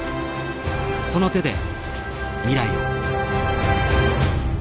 その手で未来を。